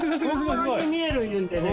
本物に見えるいうんでね